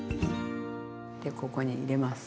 でここに入れます。